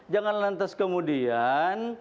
jangan lantas kemudian